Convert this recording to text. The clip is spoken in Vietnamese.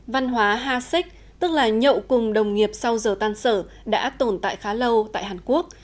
văn hóa hasek tức là nhậu cùng đồng nghiệp sau giờ tan sở đã tồn tại khá lâu tại hàn quốc